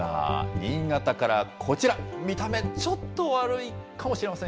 新潟からこちら、見た目、ちょっと悪いかもしれません。